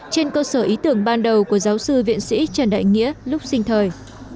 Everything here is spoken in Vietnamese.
trên cơ sở ý tưởng ban đầu của giáo sư viện sĩ trần đại nghĩa lúc sinh thời